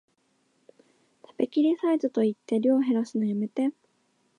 食べきりサイズと言って量へらすのやめて